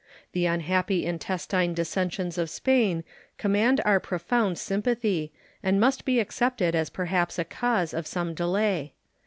The unhappy intestine dissensions of Spain command our profound sympathy, and must be accepted as perhaps a cause of some delay.